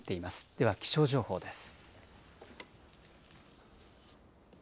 では気象情報です。